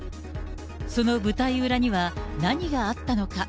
その舞台裏には、何があったのか。